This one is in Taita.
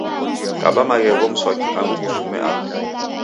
Kaba maghegho mswaki angu kufume aha